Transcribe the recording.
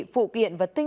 phụ kiện và tinh doanh